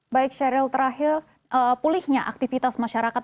baik sheryl terakhir pulihnya aktivitas masyarakat